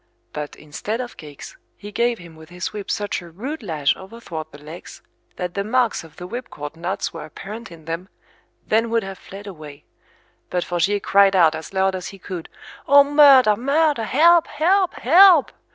But, instead of cakes, he gave him with his whip such a rude lash overthwart the legs, that the marks of the whipcord knots were apparent in them, then would have fled away; but Forgier cried out as loud as he could, O, murder, murder, help, help, help!